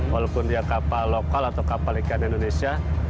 walaupun dia kapal lokal atau kapal ikan indonesia